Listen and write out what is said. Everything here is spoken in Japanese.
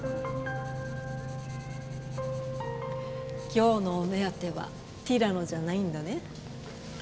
今日のお目当てはティラノじゃないんだね？